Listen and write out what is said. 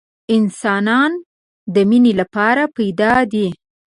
انسانان د مینې لپاره پیدا دي